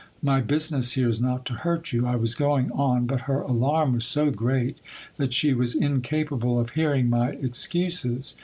My business here is not to hurt you. I was going on, but her alarm was so great that she was incapable of hearing my excuses.